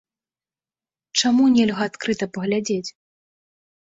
Чаму нельга адкрыта паглядзець?